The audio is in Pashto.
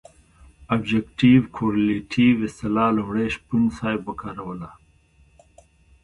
ابجګټف کورلیټف اصطلاح لومړی شپون صاحب وکاروله.